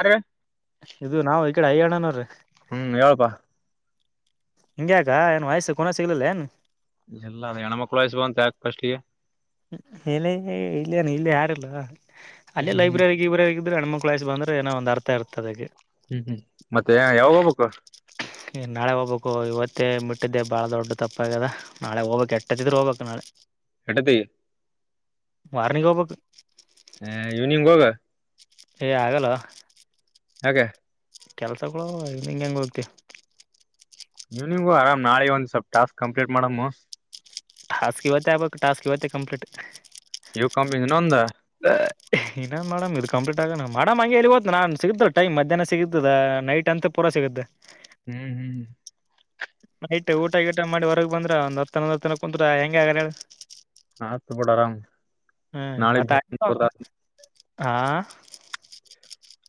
ಅರೆ ಇದು ನಾವ ಕಡಾಯ ಅನ್ನೋವ್ರೆ. [unintelligible] ಹ್ಮ್ ಯಪ್ಪಾ ಹಿಂಗ್ಯಾಕ ಏನ್ ವಯಸ್ಸ ಕನ ಸಿಗ್ಲಿಲ್ಲ ಏನ್ ಎಲ್ಲ ಅ ಹೆಣ್ಣ್ಮಕ್ಳು ವಯಸ್ ಅಂತ ಯಾಕ್ಫಷ್ಟಿಗೆ ಎಲ್ಲಿ ಇಲ್ಲನು ಇಲ್ಲಿ ಯಾರಿಲ್ಲ ಅಲ್ಲೇ ಹ್ಮ್ ಹ್ಮ್ ಲೈಬ್ರರಿಗೆ ಇರ ಎಣ್ಮು ಕ್ೈಸ್ ಬಂದ್ರ ಏನ ಒ ಅರ್ ಇರ್ತದ ಹ್ಮ್ ಹ್ಮ್ ಮತ್ತೆ ಯಾವಾಗ ಹೋಗ್ಬೇಕು ಈ ನಾಳೆ ಹೋಗ್ಬೇಕು ಇವತ್ತೇ ಮಟ್ಟಿದ್ದೆ ಬಾಳ ದೊಡ್ಡ ತಪ್ಪ ಆಾಗದ ನಾಳೆ ಹೋಗ್ಬೇಕಕ್ ಎಷ್ಟ ಹತ್ತಿದ್ ಹೋಗ್ಬೇಕು ನಾಳೆ ಹಟ್ಟತ ಮಾರ್ನಿಂಗಬ ಹ ಇವ್ನಿಂಗ ಹೋಗ ಏ ಆಗಲ್ಲ ಹಾಗೆ ಕೆಲ್ಸ ಕ ನಿಂಗ ಹೆಂಗ ಗತ್ತ ಇನಿಂಗು ಆರಾಮ್ ನಾಳೆ ಒಂದ ಸ್ವಲ್ಪ ಟಾಸ್ಕ್ ಕಂಪ್ಲೀಟ್ ಮಾಡಮ್ಮ ಟಾಸ್ಕ್ಕ ಬತ ಅ ಟಾಸ್ಕ ಬತ ಕಂಪ್್ೀಟ್ ಯವ ಕಪ ನೊಂದ ಇನ್ನ ಮೇಡ್ದು ಕಂಪ್ೀಟ್ ಆಗೋಣ ಮೇಡಮ್ ಹಂಗೆ ಇಲ್ಲಿ ಗೊತ್ತು ನಾನು ಸಿಗಿದ್ದು ಟೈಮ್ ಮಧ್ಯಾಹ್ನ ಸಿಗತಿದೆ ನೈಟ್ ಅಂತ ಪೂರಾ ಸಿಗುತ್ತೆ ಹ್ಮ್ ಹ್ಮ್್ಮ ನೈಟ್ು ಊಟ ಗಊಟ ಮಾಡಿ ಹೊರಗೆ ಬಂದ್ರ ಒಂದ್ ಹನೊಂದ್ ಹತ್ತನ ಕುಂತ್ರಾ ಹೆಂಗ ಆ ಹಾ ತ ಬಡರಾಮ ನಾಳೆಟದ ಆಾ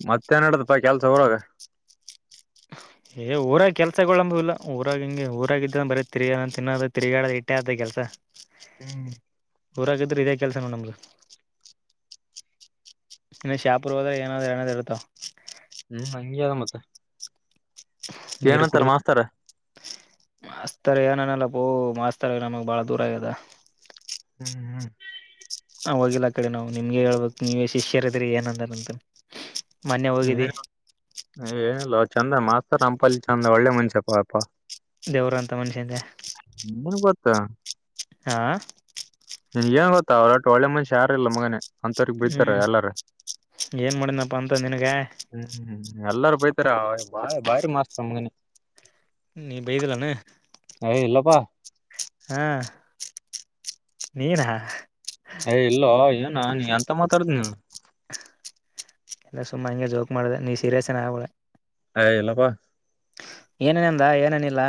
ಮತ್ತೆ ನಡದಪ್ಪಾ ಕೆಲ್ಸ ಹೊರಗ ಏ ಊರಾಗ ಕೆಲ್ಸಂಬ ಇಲ್ಲ ಊರಾಗ ಹಿಂ ಊರಾಗಿದ್ರ ಬರೀ ತಿರುಗ ತಿನ್ನದ ತಿರ್ಗಾಡ ಇಟ್ಟೇ ಆದ ಕೆಲ್ಸ ಹ್ಮ್ ಊರಕಿದ್ರೆ ಇದೇ ಕೆಲ್ಸನ ನಮ್ದ ಇನ್ನ ಶಾಪುರ್ ಹೋದ್ರ ಏನಾದ್ ಏನಾದ್ ಇರುತಾವ ಸಂಾದ ಮತ್ತ ನೀರ್ ಏನಂತಾರ ಕುಡ್ದ ಮಾಸ್ತಾರ ಮಾಸ್ತರ್ ಏನಾನಲ್ಲ ಪ ಮಾಸ್ತರ್ ನಮಗ್ ಬಾಳ ದೂರ ಆಗ್ಯದ ಹ್ಮ್ ಹ್ಮ್ ಹ ಹೋಗಿಲ್ಲ ಆ ಕಡೆ ನಾವು ನಿಮ್ಗೆ ಹೇಳ್ಬೇಕಕ್ ನೀವ್ ಶಿಷ್ಯರಿದ್ರಿ ಏನಂದಾರ ಅಂತ ಏನ ಏನಿಲ್ಲ ಚಂದ ಮಾತ್ ರ್ ರಂಪಲ್ಲಿ ಚಂದ ಒಳ್ಳೆ ಮುಂಷೆಪ್ಪ ಅಪ್ಪಾ. ದೇವರು ಅಂತ ಮನುಷ್ಯಿಂದ. ಹಾ. ಹಾ. ನಿನ್ ಏನ್ ಗೊತ್ತ ಅವ್ರೊಟ್ ಒಳ್ಳೆ ಮನ್ಷ್ಯ ಯಾರ್ ಇಲ್ಲ ಮಗನೆ. ಅಂತವ್ರಗ್ ಬಿಡ್ತಾರ ಹ್ಮ್ ಎಲ್ಲಾರ ಏನ್ ಮಾಡಿನಪ್ಪ ಅಂತದ್ ನಿನಗ. ಬೀಳ್ತರ ಅವ್ನ್ ಭಾರಿ ಭಾರಿ ಮಾಸ್ತ ಮಗನೆ. ನೀ ಬೈದಿಲೆನ. ಏಯ್ ಇಲ್ಲಪ್ಪಾ ಹಾ ನೀನಾಹ್. ಯ ಇಲ್ಲೋ ಏನ್ ನಾನ ಎಂತ ಮಾತಾಡ್ದಿ ನೀನ್ ಎಲ್ಲ ಸುಮ್ಮಾ ಹಂಗೆ ಜೋಕ್ ಮಾಡ್ದೆ ನೀನ್ ಸೀರಿಯಸ್ ಎನ್ ಆಗಬೇಡ. ಅಯ ಇಲ್ಲಪ್ಪಾ. ಏನಂದ ಏನನ್ ಇತ್ ಇಲ್ಲ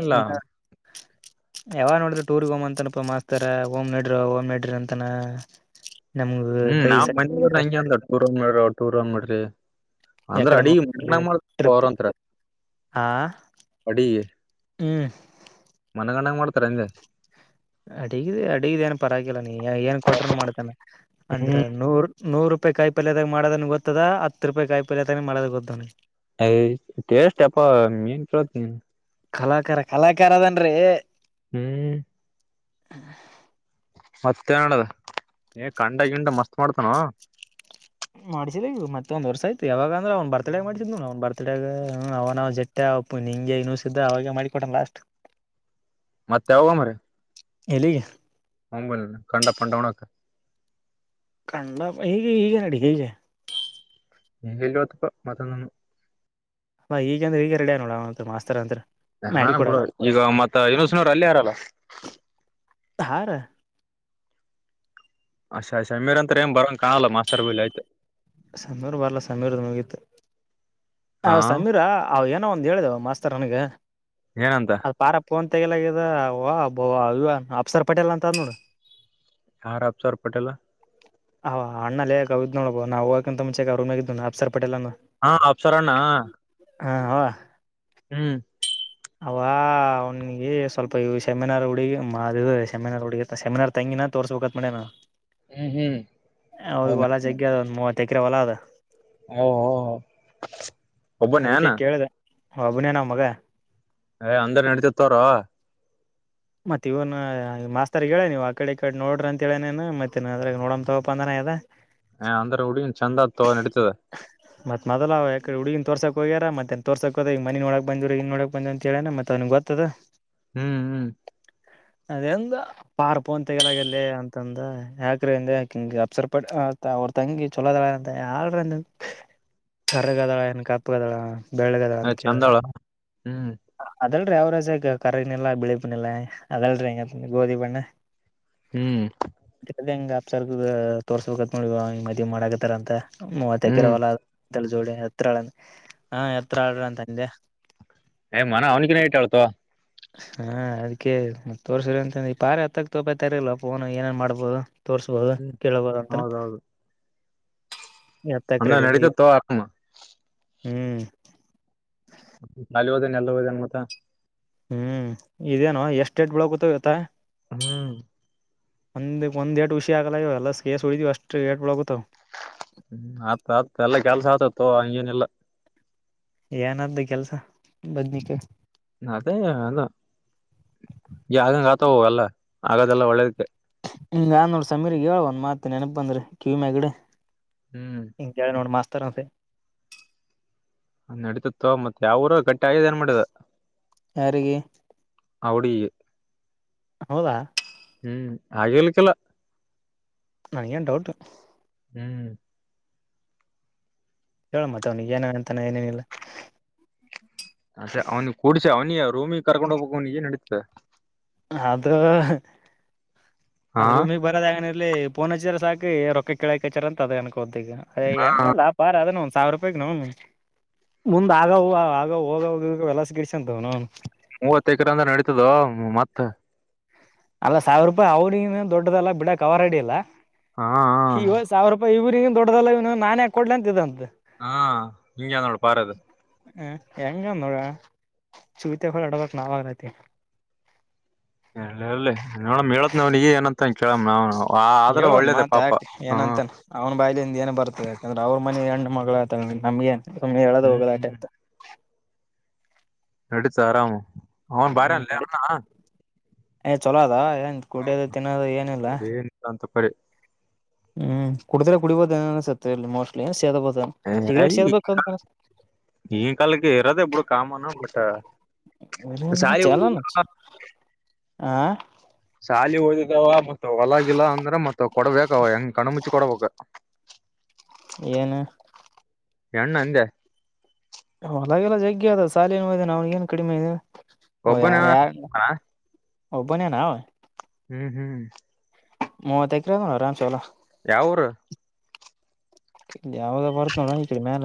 ಏನ್ ಏನೊ. ಯಾವಾಗ ನೋಡಿದ್ರು ಟೂರ್ಗೆ ಹೋಮ್ ಅಂತನಪ್ಪ ಮಾಸ್ತಾರ. ಓಮ್ ನಡ್ರಿ ಓಮ್ ನಡ್ರಿ ಅಂತನಾ. ಹ್ಮ್ ನಾವ್ ಮನ್ನ್ ಹೋದಾಗ ಹಂಗೆ ಅಂದ ಟೂರ್ರು ಮೂರ್ರು. ಟೂರ್ ಹೋಮ್ ನಡ್ರಿ. ಅಂದ್ರ ಯಕಡೆ ಅಡಿ ನೋಡ್ರಿ ಮ ಮಾಡಮಾರ್ ಟ್ರಿಪ್ ಅಂತ್ರ ಆ ಅಡಿ ಹ್ಮ್ ಮನಗಣಂಗ ಮಾಡ್ತ [unintelligible] ಅಡಿಗಿದ್ ಅಡಿಗಿದ್ ಏನ್ ಪರವಾಗಿಲ್ಲ ನೀ ಏನ್ ಏನ್ ಕೊಟ್ರುನು ಮಾಡ್ತಾನ. ಅಂದ್ರ ಹ್ಮ್ ನೂರ್ ನೂರು ರೂಪಾಯಿ ಕಾಯಿ ಪಲ್ಯದಾಗ ಮಾಡದನ್ ಗೊತ್ತದ ಹ ಏ ಟೇಸ್ಟ ಅಪ ಮಿನ್ಸ ಹಿನ್ ಕಲಾಕಾರ ಕಲಾಕಾರ ಅದನ ರೀ. ಹ್ಮ್. [inaudible] ಮತ್ತೇ ಏನ್ ನಡ್ಡದ ಏ ಕಂಡ ಗಿಂಡ ಮಸ್ತ್ ಮಾಡ್ತಾನೋ. ಮಾಡಿಸಿದ ಇ ಮತ್ತೆಂದ ವರ್ಷ ಆಯ್ತು ಯಾವಾಗ ಅವನ್ ಬರ್ಥಡೇ ಗ್ ಮಾಡ್ಸಿದ್ದ ನೋಡ್ ಅವ್ನ್ ಬರ್ತಡೇಗಾ ಹ ಅವನ ಜೆಟ್ಟ ಅಪ್ಪು ನಿಂಗೆ ಇನ್ನೂಸಿದ್ದ ಅವಾಗೆ ಮಾಡಿಸಿಕೊಟನ್ ಲಾಸ್ಟ್. ಮತ್ತೆ ಯಾವಾಗೋ ಮರ್ರೆ. ಎಲ್ಲಿಗೆ. ಹೊಂಬಾಕಂಡಪ್ಪಂಡಾ ಉಣಕ್ಕ. ಕಂಡ ಹೀಗೆ ಹೀಗೆ ನಡಿ ಹೀಗೆ. ಹೀಗ್ ಎಲ್ಲಿ ಹೋಗತೇಪ್ಪ ಮತ ನು ಹ ಈಗಂದ್ರ ಈಗ ರಡಿ ನೋಡ್ ಅ ಮಾಸ್ತರ ಅಂತರಿ. ಹಾ ನಮ್ ಕೊಡ ಈಗ ಮತ್ತ ಯುನೋಸ್ನರ್ ಅಲ್ಲೇ ಅರಲ್ಲ. ಧಾರ ಅಯ್ ಸಮೀರ ಅಂತ್ರ ಏನ್ ಬರೋಂಗ ಕಾಣಲ್ಲ ಮಾಸ್ತರ್ ಬಲ್ಲೇ ಆಯ್ತು ಸಮೀರ್ ಬರ್ಲ ಸಮೀರ್ ಮುಗೀತ್ತು ಹ ಹಾ ಸಮೀರ ಅವ ಏನ್ ಏನ್ ಒಂದ ಹೇಳಿದ ಮಾಸ್ತರ್ ನನಗೆ ಏನಂತ ಅದು ಪಾರ ಫೋನ್ ಮತ್ತಲ್ಲ ವ ಅಪ್ಸರ್ ಪಟೇಲ್ ಅಂತ ಅದ್ ನೋಡು ಹಾರ ಆಭಚಾರ ಪಟೇಲ್ಲ ನೋ ನವುಕಂತ ಮುಚೆ ಆರಮ ಆಗಿದ್ದಪ್ಸರ್ [unintelligible] ಪಟಲಂಗ [unintelligible] ಸರೋಣ್ಣ [unintelligible] ಹಾ ಹ [unintelligible] ಹ್ಮ್ [unintelligible] ಅವ ಅವ್ನಿಗೆ ಸ್ವಲ್ಪ ಇ ಸೆಮಿನಾರ್ ಹುಡುಗಿ ಮಾ ಅ ಸೆಮಿನಾರ್ ಹುಡಗ ಸೆಮಿನಾರ್ ತಂಗಿನ ತೋರ್ಸ್ಬೇಕತ್ ಮಾಡಡ್ಯಾನ ಹ್ಮ್ ಹ್ಮ್ [unintelligible] ಅವಗ ಹೌದ ಹೊಲ ಜಗ್ಯ ದ ಒಂದು ಮೂವತ್ತ [unintelligible] ತಕ್ಕ್ರ ಒಲ ಅದ [unintelligible] ಹ ಹ [unintelligible] ಅದಕ್ಕೆ ಕೇಳಿದೆ [unintelligible] ಹ ಅಭಿನಯ ನ ಮಗ [unintelligible] ಏ ಅಂದ ನಡತಿತ್ತೊರೋ [unintelligible] ಮತ್ತ ಇವ್ನ ಮಾಸ್ತರ್ ಹೇಳೇ ನೀವವು ಆ ಕಡೆ ಈ ಕಡೆ ನೋಡ್ರಿ ಅಂತ ಹೇಳೇನೇನು ಮತ್ತೆ ಅದ್ರಾಗ ನೋಡ ತಗೋಪ್ಪ ಅಂದಾನ ಅದ [unintelligible] ಅಂದ್ರೆ ಹುಡಿಯನ್ ಚೆಂದ ಆತ ನಡತದೆ [unintelligible] ಮತ್ತ ಮೊದಲ ಯಕಡೆ ಹುಗನ್ ತೋರ್ಕ ಹೋಗ್ಯಾರ ಮತ್ತೆ ತೋಸಕೋದ ಈ ಮನ್ ನೋಡ ಬಂದರರು ಇಗ ನೋಡಕ್ ಬಂದಿ ಅಂತ ಹೇಳೇನೆ ಮತ್ತ ಅವನಗ್ ಗತ್ತದ [unintelligible] ಹ್ಮ್ ಹ್ಮ್ [unintelligible] ಅದ ಎಂದ ಪಾರ್ಪೋನ್ ತೆಗಲಾಗಲ್ಲಿ ಅಂತಂದ ಯಾಕ್ರಿಂದ ಯಾಕಿಂಗ ಅಪ್ಸರ್ ಪಟ್ಟ ಅವ್ರ ತಂಗಿ ಚೊಲೋದಾಳ ಅಂತ ಯ್ರ ಕರಗದಾಳ ಏನ್ ಕಪ್ಗದಳ [unintelligible] ಹ ಚಂದಾಳ ಹ್ಮ್ [unintelligible] ಅದಲ್ರೀ ಅವ್ರ ರಜಗ ಕರನೆಲ್ಲ ಬೆಳಿ [unintelligible] ನ್ನಲ್ಲ ಅದಲ್ ಗೋಧಿ ಬಣ್ಣ ಹ್ಮ್ [unintelligible] ದೇಂಗ [unintelligible] ರ್ ತೋರ್ಸ್ಬೇಕತ್ ನೋಡಿ ಹಿಗೆ ಮದುವೆ ಮಾಡಾಕತ್ತಾರ ಅಂತ [unintelligible] ಮೂವತ್ತ ಎಕರೆ ಹ್ಮ್ ಒಲ [unintelligible] ಜೋಡೆ ಎತ್ರಾಳ ಹಾ ಎತ್ರ ಆಳಂತಂದೆ [unintelligible] ಏ ಮನ ಅವನಿಗೆ ಟಾಳ್ತ [unintelligible] ಹ [unintelligible] ಹಾ ಅದಕ್ಕೆೇ ತೋರ್ಸ್ರ ಅಂತ ಈ ಪಾರ ಹತ್ತಕ್ ತೋಪತಾರಲ್ಪ ನು ಏನೇನ್ ಮಾಡ್ಬೋದು [unintelligible] ತೋರ್ಸ್ಬಹುದು ಹ್ಮ್ ಕೇೇಳಬಹುದು ಅಂತನ [unintelligible] ಎತ್ತಕ್ ಅಂದ ರೆಡಿ ಇಲ್ಲ ನಡೀತ ತ ಆಕ ಹ್ಮ್ [unintelligible] ಅಲ ಹೋದೇನೆ ಎಲ್ಲ ಹೋದನ್ ಮತ ಹ್ಮ್ ಇದೇನ ಎಷ್ಟ ಡೇಟ್ ಬಳಕೂತ ಇತಾ ಹ್ಮ್ ಒಂದ್ ಒಂದ್ ಎರು ವಿಷಿ ಆಗಲ ಇವ ಎಲ್ಲ ಸೇಸ್ ಉಳಿದಿವವಿ ಅಷ್ಟು ಏಟ್ಬಿ ಬಿಳಗುತ್ತಾವ ಹ್ಮ್ ಆತ ಆತ ಎಲ್ಲ ಕೆಲ್ಸ ಆತತ್ತು ಹಂಗೇನೆಲ್ಲಾ ಏನ್ದು ಕೆಲ್ಸ ಬಧಿನಿಕಾಯ್ ಅದೇ ಅದು ಯಾಗಂಗ ಗತ ಎಲ್ಲ ಆಗದೆಲ್ಲ ಒಳ್ಳೆದಕ್ಕೆ ಹಿಂಗ ಆ ನೋಡ್ರ ಸಮೀರ್ ಗ ಹೇಳ ಒಂದ್ ಮಾತ್ ನೆನಪ ಬಂದ್ರಿ ಕಿವಮ್ಯಾ ಗಿಡ ಹ್ಮ್ ಹಂಗೆ ನೋಡ ಮಾಸ್ ತರಹಪೆ ನಡಿತದ ತಗೋ ಮತ್ತೆ ಯಾವರ ಗಟ್ಟಿ ಟಾಯದ ಏನ್ ಮಾಡಿದ ಯಾರಿಗೆ ಆ ಹುಡುಗಿಗೆ ಹೌದಾ ಹ್ಮ್ ಆಗಿಲ್ಲ ಅಕಿಲ ನನ್ನಗೆನ ಡೌಟ್ ಹ್ಮ್ ಹೇಳ ಮತ್ತ ಅವ್ನಿ ಏನ ಅಂತಾನ ಏನೇನಿಲ್ಲ ಹೆ ಅವ್ನು ಕೂಡಸ ಅವ್ನು [unintelligible] ರೂಮಿ ಕಕೊಂಡ ಹೋಗಬು ಏ ನಡಿ ಹ ಅದು ಹಾ ಅದ ರೂಮಗ್ ಬರದ ಆಗ ಇರ್ಲಿ ಪೋನ್ ಹಂಚಿರ ಸಾಕ ರೊಕ್ಕ ಕೆಳಾಕ ಹಂಚಾರ ಅದೆ ಅನುಕೊ ಕೊತ್ತ ಅ ಎಂಗಲ್ಲಾ ಪಾರ ಅ ಒಂದ ಸಾವಿರ ರೂಪಾಯಗ್ ನ ಮುಂದ್ ಆಗ ಹ ಆಗ ಹೋಗ ಹೋಗ ಹೊಲಸ ಗಿಡಸ ಅಂತವ ನ ಮೂವತ್ತೆಕರ ಅಂದ ನಡೀತದ ಮತ್ತ ಅಲ್ಲ ಸಾವಿರ ರೂಪಾಯಿ ಅವಳಿ ದೊಡ್ಡದಲ್ಲ ಬಿಡ ಕ ಅವ ಆ ರೆಡಿಲ್ಲ ಹಾ ಶಿವ ಸಾವಿರ ರೂಪಾಯಿ ಇವ ನೀ ದೊಡಲ್ಲ ಇವ ನಾನ ಯಾಕ ಕೊಡ್ಲ ಅಂತ ಇದ ಅಂತೆ ಹಾ ಇಂಗ ನೋಡು ಪಾರದು ಹ ಹೆಂಗ ನೋಡ ಚೂತ ಹೊಳ ಆಡ್ಬೇಕಕ್ ನಾವ ಆಗೈತಿ ಎಳ್ಳ ಹೇಳಲಿ ನೋಡಮ್ ಹೇಳತ್ ನವ್ನಗ ಏನಂತ ಕೇಳಮ್ಮ ನಾವು ಆದ್ರ ಹೇಳ ಒಂದ್ ಒಳ್ಳೇದೆ ಮಾತ್ ಪಾಪ ಯಾಕ ಹಾ ಏನಂತನ್ ಅವನ ಬಾಯ್ಲಿ ಏನ್ ಬರ್ತದೆ ಯಾಕಂದ್ರೆ ಅವ್ರ ಮನಿ ಹೆಣ್ಣ ಮಗಳ ಆಗ್ತಾಳ ನಮಗೆ ಏನ್ ಸಮ್ಮ್ನೆ ಹೇಳದ್ ಹ್ಮ್ ಹೋಗೋದ ಆಟೆ ನಡತು ಆರಾಮ ಅವನ್ ಬಾರ ಹ್ಮ್ ಅಲ್ಲೇ ನಡಿ ಅವ್ನಾ ಏ ಚುಲೋದೋ ತ್ ಕುಡಿಯೋದು ತಿನ್ನೋದು ಏನಿಲ್ಲ ಬ ಹ್ಮ್ ಕುಡಿದ್ರೆ ಕುಡಬೋದ ಏನೋ ಅನ್ಸುತ್ತೆ ಇಲ್ಲಿ ಮೋಸ್ಟ್ಲಿ ಸೇದ್ಬೋದ ಹಯ ಈ ಕಾಲಕ್ಕೆ ಇರೋದ ಇಬ್ಳ ಕಾಮನ ಹ ಚಲೋನ ಹಾ [unintelligible] ಹೊಲಗಲ್ಲ ಅಂದ್ರೆ ಮತ್ ಕೊಡ್ಬೇಕ ಅವ ಹೆಂಗ್ ಕಣು ಮುಚ್ಚಿ ಕೊಡ್ಬೇಕ ಏನು ಹೆಣ್ಣಂದ್ಯ ಹೊಲಾಗಿಲಾ ಜಗ್ಗೇ ಅದ ಸಾಲೀನೂ ಓದ್ಯಾನ ಅವಂಗೇನು ಕಡಿಮೆ ಇದೆ ಒಬ್ಬನ ಒಬ್ಬನೇ ನಾವಾ ಹ್ಮ್ ಹ್ಮ್ ಮೂವತ್ತ ಎಕರೆ ಅದ ಆರಾಮ್ಸೆ ಹೊಲ ಯಾವ ಊರು ಯಾವದ ಬರ್ತಣ ಇ ಕಡೆ ಮ್ಯಾಲ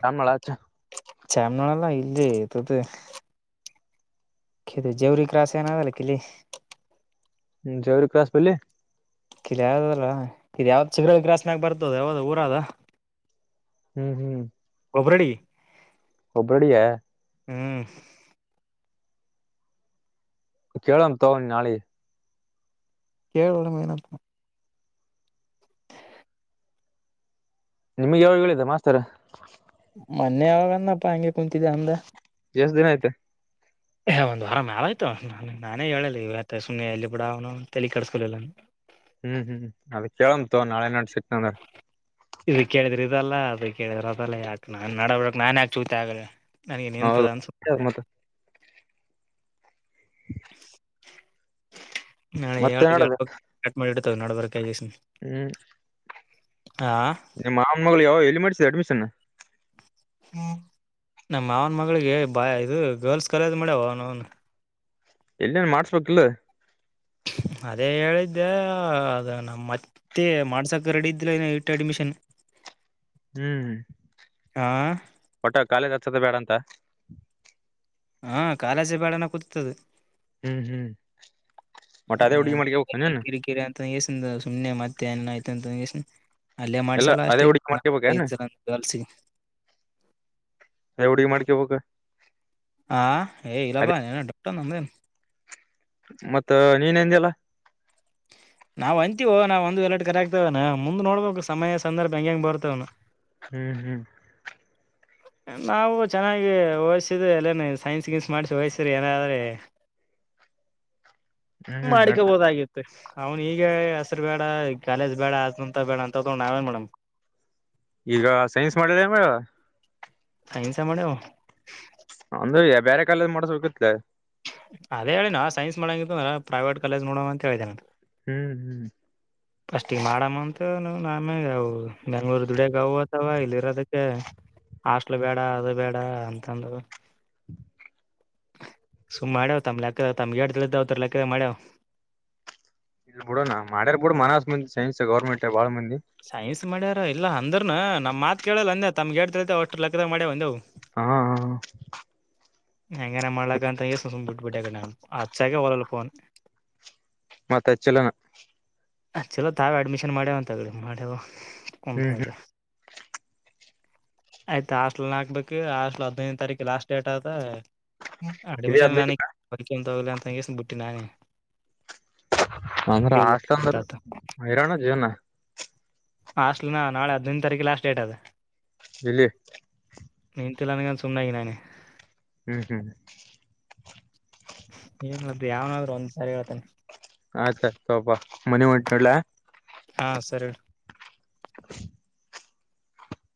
[unintelligible] ಚಾಮನೋಲ್ಲ ಇಲ್ದ ಇತದ ಜವರಿ ಕ್ರಾಸ್ ಏನಾಗಲ್ಲ ಕಿಲಿ ಹ್ಮ ಜವರಿ ಕ್ರಾಸ್ ಬಲ್ಲಿ ಇದು ಯಾವ್ದದಲ್ಲ ಇದು ಯಾವ್ದ ಚಿಗರ ಗ್ರಸ್ನಾಗ ಬರ್ತದ ಯಾವ್ದ ಊರದ ಹ್ಮ್ ಹ್ಮ್ ಗೊಬ್ಬರಡಿ ಒಬ್ಬ್ರಡೀಯಾ ಹ್ಮ್ ಕೇಳಂ ತಗೊಂಡಿ ನಾಳಿಗೆ ಕೇಳಣ ಮೆನಪ್ಪ ನಿಮಗೆ ಯಾವಾಗ ಹೇಳಿದ್ದ ಮಾಸ್ತಾರ ಮನ್ನೆ ಯಾವಾಗನಪ್ಪ ಅಂಗೆ ಕುಂತಿದ್ದೇ ಅಂದ ಎಷ್ಟ ದಿನ ಆಯ್ತ ಏ ಒಂದ್ ವಾರ ಮ್ಯಾಲ ಆಯ್ತು ನಾನೇ ಹೇಳಿಲ್ಲ ಇವತ್ತ ಸುಮ್ಮನೆ ಎಲ್ಲಿ ಬಿೂಡ ಅವನವ್ನ ತಲಿ ಕಡಸ್ಕೊಲಿಲ್ಲ ಹ್ಮ್ ಹ್ಮ್ ಅದ ಕೇಳಂತು ನಾಳೆ ನಾಡ್ದ ಸಿಕ್ನಂದ್ರ ಇದ ಕೇಳಿದ್ರೆ ಇದಲ್ಲ ಅದ ಕೇಳಿದ್ರ ಅದಲ್ಲ ಯಾಕೆ ನಾನ್ ನಡ ಬಿಿಡಕ್ ನಾನ್ ಯಾಕೆ ಚೂತ್ಯಾ ಆಗಲೀ ನನಗೆ ನಿಂತದ ಹೌದು ಅನ್ಸಿದೆ ಮತ್ತ ನಾಳೆ ಹೇಳ್ ಮತ್ತೆ ನಡದ ಹೇಳ್ಬೇಕು ಕಟ್ಮಾಡಿ ಇಡು ನದಬೇಕ ಹ್ಮ್ ಹಾ ನಿಮ್ಮ್ ಮಾವನ ಮಗಳು ಯಾವಲ್ಲಿ ಮಾಡ್ ಅಡ್ಮಿಷನ್ ಹ್ಮ ನಮ್ಮ ಅವನ ಮಗಳಿಗೆ ಬಾಯ ಇದು ಗರ್ಲ್ಸ್ ಕಾಲೇಜ್ ಮಾಡ್ಯವ ಅವನು ಅವನು ಎಲ್ಲಿೇನ್ ಮಾಡ್ಸ್ಬೇಕಿಲ್ಲ ಅದೇ ಹೇಳಿದ್ದೆ ಅದ ನಮ್ಮ ಮತ್ತೆ ಮಾಡ್ಸಕ ರೆಡ ಇದಿಲ್ಲ ಇಟ್ು ಅಡ್ಮಿಷನ್ ಹ್ಮ್ ಹಾ ಒಟ್ಟ ಕಾಲ ದ ಬೇಡಂತ ಹಾ ಕಾಲಜಿ ಬೇಡಣ ಕೂತ್ತದೆ ಹ್ಮ್ ಹ್ಮ್ ಮಟಾಾದ ಉಡಗ ಮಿಗೆ ಅವಖೆ ತಂಗೇಶಸ ಸುಮ್ಮನೆ ಮತ್ತೆ ಎಲ್ಲ ಆಯತ ಅಂತ ತಂಗೇಶಸ ಎಲ್ಲ ಅದೇ ಹುಡುಗಿ ಮಾಡ್ಕೊಬ ಏನ ಗರ್ಲ್ಸಿಗೆ ಅದೇ ಹುಡುಗಿ ಮಾಡ್ಕೊಬ ಹಾ ಇಲ್ಲಬ ಪಟ್ಟ ನಂದೇ ಮತ್ತ ನೀನ್ ಎಂದಲ್ಲ ನಾವ್ ಅಂತೀವ ನಾವ್ ಒಂದು ಎಲ್ಲರಡು ಕರೆ ಆಗ್ತವನ ಮುಂದ್ ನೋಡ್ಬೇಕಕ್ ಸಮಯ ಸಂದರ್ಭ ಹ ಹೆಂಗಗೆ ಹೆಂಗ ಬರ್ತವನ ಹ್ಮ್ ಹ್ಮ್ ನಾವು ಚೆನ್ನಾಗಿ ಹೋಸಿದ ಎಲ್ಲನ ಸೈನ್ಸ್ ಗಿನ್ಸ್ ಮಾಡಿಸಿ ಹಓಯಸ್ರಿ ಏನಾದ್ರೆ ಹ್ಮ್ ನಡ ಮಾಡಿಕೋಬಹದಾಗಿತ್ತು ಅವ್ನ್ ಈಗ ಹೆಸರು ಬೇಡ ಕಾಲೇಜ್ ಬೇಡ ಅದಂತ ಬೇಡ ಅಂತ ನಾವೇನ್ ಮೇಡಮ್ ಈಗ ಸೈನ್ಸ್ ಮಾಡಿದೆ ಮ ಹನ್ಸ ಮಾಡ್ಯವು ಅಂದ್ರ ಬೇರೆ ಕಾಲದ ಮಾಡಸಬೇಕತ್ಲ ಅದೇ ಹೇಳಿ ನಾ ಸೈನ್ಸ್ ಮಾಡಂಗತ್ತು ಪ್ರೈವೇಟ್ ಕಾಲೇಜ್ ಮಾಡೋಂಗ ಅಂತ ಹೇಳಿದೆೇನೆ ಅದು ಹ್ಮ್ ಹ್ಮ್ ಫಸ್ಟ್ ಈಗ್ ಮಾಡಮ್ಮ ಅಂತ ನಮೇ ಅವು ಬೆಂಗ್ಳೂರ್ ದುಡಿಯಗ ಅವತವ ಇಲ್ಲಿ ಇರೋದಕ್ಕೆ ಹಾಸ್ಟ್ಲ್ ಬೇಡ ಅದು ಬೇಡ ಅಂತಂದ ಸುಮ್ಮ್ ಮಾಡ್ಯಾವ್ ತಮ್ಮ್ ಲೆಕ್ಕದ ತಮ್ಗೆರಡ್ ತಿಳ್ದಾವತ ಲೆಕ್ಕದ ಮಾಡ್ಯಾವ್ ಇ ಬಿುಡಣಾ ಮಾಡ್ಯಾರ ಬಿಡು ಮನಸ್ ಮಂದ ಸೈನ್ಸ್ ಗೌರ್ಮೆಂಟ್ ಬಾಳ ಮಂದಿ ಸೈನ್ಸ್ ಮಾಡ ಅ ಇಲ್ಲ ಅಂದ್ರರು ನಮ್ಮ ಮಾತುೇಳಲ್ಲ ಅಂದೆ ತಮ್ಮಗೆೇತೈತೆ ಅಷ್ಟ ಲೆಕ್ಕದಾಗ ಮಾಡೆ ಒಂದೆವು ಹಾ ಹಾ ಹೆಂಗನ ಮಾಡಲಾ ಅಂತ ಎ ಸು ಬಿಟ್ಬಟ್ಟಿ ಎ ಅಚ್ಚಾಗ ಒಳ್ಳಲ್ಲಫೋನ್ ಮತ್ತೆ ಹೆಚ್ಚಲನ ಚಲೋ ತಾವೇ ಅಡ್ಮಿಷನ್ ಮಾಡ್ಯವ ಅಂತ ತಗಡೆ ನಡ ಹ್ಮ್ ಹ್ಮ್ ಹಂತಲ್ಲೆ ಆಯ್ತಾ ಹಾಸ್ಟ್ಲ್ ಹಾಕ್ಬೇಕು ಹಾಸ್ಟ್ಲ್ ಹದ್ನೈದನೇ ತಾರೀಕು ಲಾಸ್ಟ್ ಡೇಟ್ ಆಯತ ಇದೇ ಅಡ್ಮಿಷನ್ ಹದ್ನೈದು ನನಲ ಅ ತಂಗಸನ್ ಬಿುಟ್ಟಿ ನಾನೇ ಅಂದ್ರೆ ಆಷ್ಟ ಅಂದ್ರ ಹೈರಾಣ ಜೀವನ ಹಾಸ್ಟ್ಲ ನ ನಾಳೆ ಹದ್ಿನೈದು ತಾರೀಕು ಲಾಸ್ಟ್ ಡೇಟ್ ಅದ ಇಲ್ಲಿ ನೀನ್ಂತಲ್ಲನಗನ ಸುನ್ನ ಈ ನಾನೇ ಹ್ಮ್ ಹ್ಮ್ ಏನ್ ಮ ಯಾವನಾದ್ರೂ ಒಂದ್ಸಾರಿ ಹೇಳ್ತಾನ ಆತಾ ತಪ ಮನೆ ಮುಂಟ್ನಡಲ ಹಾ ಸರಿ